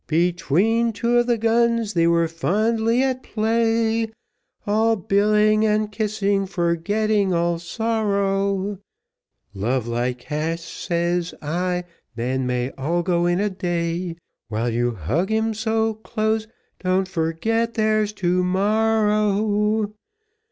Between two of the guns they were fondly at play, All billing and kissing, forgetting all sorrow; "Love, like cash," says I, "Nan, may all go in a day, While you hug him so close don't forget there's to morrow."